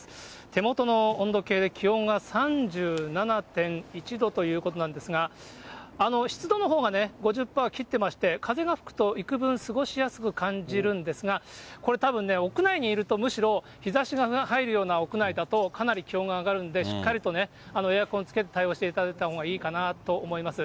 手元の温度計で気温が３７．１度ということなんですが、湿度のほうが５０パー切ってまして、風が吹くといくぶん過ごしやすく感じるんですが、これ、たぶんね、屋内にいると、むしろ日ざしが入るような屋内だと、かなり気温が上がるんで、しっかりとね、エアコンつけて対応していただいたほうがいいかなと思います。